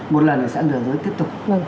một lần nữa sẽ lừa dối tiếp tục